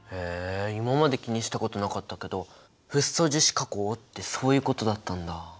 今まで気にしたことなかったけどフッ素樹脂加工ってそういうことだったんだ。